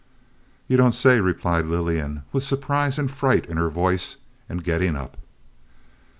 "You don't say!" replied Lillian, with surprise and fright in her voice, and getting up.